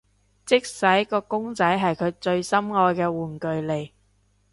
即使個公仔係佢最心愛嘅玩具嚟